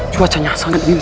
cuacanya sangat dingin sekali